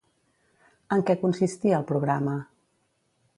En què consistia el programa?